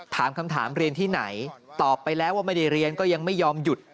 ถามคำถามเรียนที่ไหนตอบไปแล้วว่าไม่ได้เรียนก็ยังไม่ยอมหยุด